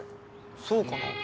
そうかな？